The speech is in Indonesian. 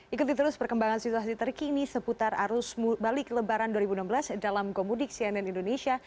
ikuti terus perkembangan situasi terkini seputar arus balik lebaran dua ribu enam belas dalam gomudik cnn indonesia